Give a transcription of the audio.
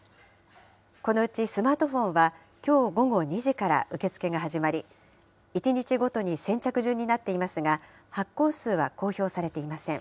このうちスマートフォンはきょう午後２時から受け付けが始まり、１日ごとに先着順になっていますが、発行数は公表されていません。